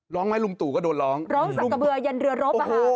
ร้องไหมลุงตู่ก็โดนร้องร้องสักกระเบือยันเรือรบอ่ะค่ะ